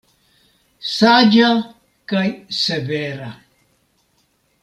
Saĝa kaj severa.